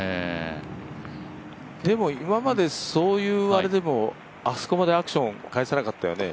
今まで、そういうあれでもあそこまでアクション、返さなかったよね？